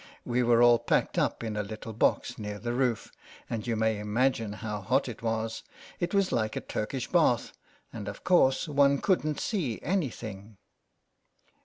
We were all packed up in a little box near the roof, and you may imagine how hot it was. It was like a Turkish bath. And, of course, one couldn't see anything.